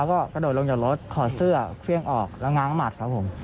แล้วก็กระโดดลงจากรถถอดเสื้อเครื่องออกแล้วง้างหมัดครับผม